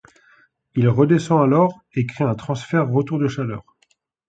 Il redescend alors et crée un transfert retour de chaleur.